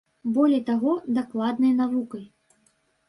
Болей таго, дакладнай навукай.